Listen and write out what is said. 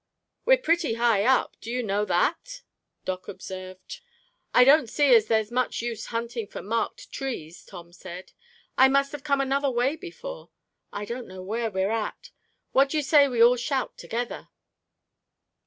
"We're pretty high up, do you know that?" Doc observed. "I don't see as there's much use hunting for marked trees," Tom said. "I must have come another way before. I don't know where we're at. What d'you say we all shout together?"